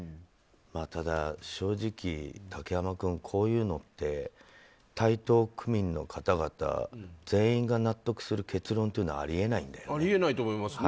ただ正直、竹山君こういうのって台東区民の方々全員が納得する結論というのはあり得ないんだよね。